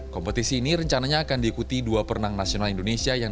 kompetisi ini rencananya akan diikuti dua perenang nasional indonesia yang